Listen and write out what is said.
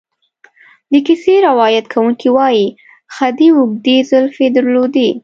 د کیسې روایت کوونکی وایي خدۍ اوږدې زلفې درلودې.